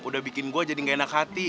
udah bikin gue jadi gak enak hati